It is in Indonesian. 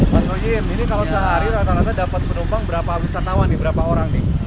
mas royem ini kalau sehari rata rata dapat penumpang berapa wisatawan nih berapa orang nih